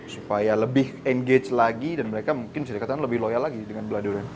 supaya lebih engage lagi dan mereka mungkin bisa dikatakan lebih loyal lagi dengan bla durian